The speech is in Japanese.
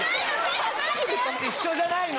一緒じゃないの？